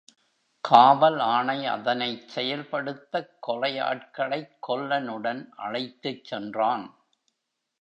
காவல் ஆணை அதனைச் செயல் படுத்தக் கொலை யாட்களைக் கொல்லன் உடன் அழைத்துச் சென்றான்.